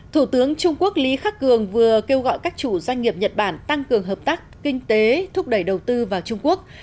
thủ tướng trung quốc lý khắc cường vừa kêu gọi các chủ doanh nghiệp nhật bản tăng cường hợp tác kinh tế thúc đẩy đầu tư vào trung quốc